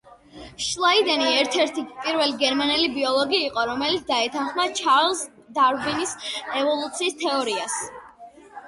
შლაიდენი ერთ-ერთი პირველი გერმანელი ბიოლოგი იყო, რომელიც დაეთანხმა ჩარლზ დარვინის ევოლუციის თეორიას.